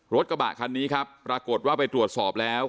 รถกระบะคันนี้ครับปรากฏว่าไปตรวจสอบแล้ว